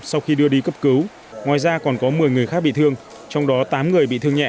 sau khi đưa đi cấp cứu ngoài ra còn có một mươi người khác bị thương trong đó tám người bị thương nhẹ